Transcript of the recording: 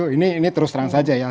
ini terus terang saja ya